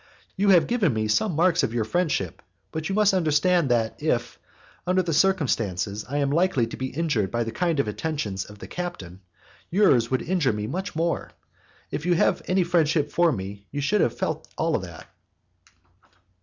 You have given me some marks of your friendship, but you must understand that if, under the circumstances, I am likely to be injured by the kind attentions of the captain, yours would injure me much more. If you have any friendship for me, you would have felt all that."